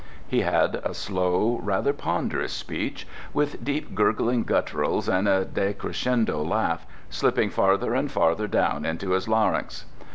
He had a slow, rather ponderous speech, with deep gurgling gutturals and a decrescendo laugh, slipping farther and farther down into his larynx.